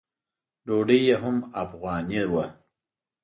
ډوډۍ یې هم افغاني وه.